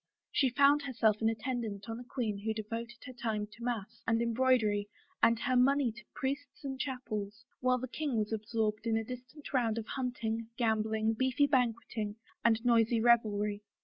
She found herself an attendant on a queen who devoted her time to mass and embroidery and her money to priests and chapels, while the king was ab sorbed in a distant rotmd of hunting, gambling, beefy banqueting, and noisy revelry.